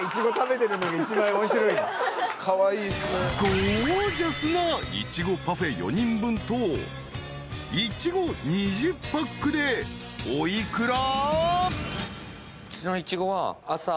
［ゴージャスないちごパフェ４人分とイチゴ２０パックでお幾ら？］